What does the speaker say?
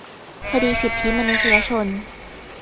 คดีสิทธิมนุษยชน